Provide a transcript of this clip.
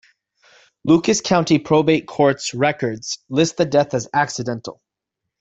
Lucus County Probate Court records list the death as accidental.